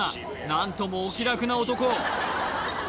何ともお気楽な男